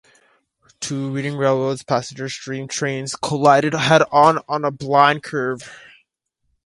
Two Reading Railroad passenger steam trains collided head-on on a blind curve.